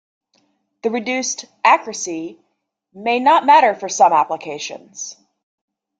The reduced "accuracy" may not matter for some applications.